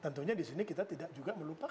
tentunya di sini kita tidak juga melupakan